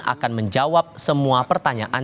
akan menjawab semua pertanyaan